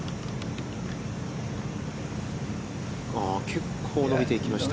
結構伸びていきました。